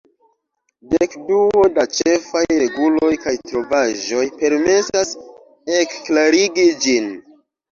Dekduo da ĉefaj reguloj kaj trovaĵoj permesas ekklarigi ĝin.